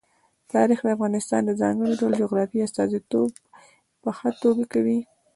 تاریخ د افغانستان د ځانګړي ډول جغرافیې استازیتوب په ښه توګه کوي.